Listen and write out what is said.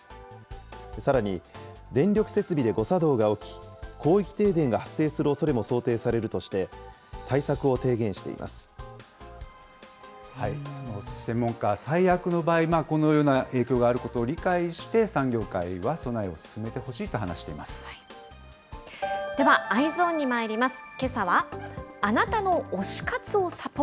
さらに、電力設備で誤作動が起き、広域停電が発生するおそれも想定されるとして、対策を提言してい専門家は、最悪の場合、このような影響があることを理解して、産業界は備えを進めてほしいと話では、Ｅｙｅｓｏｎにまいります。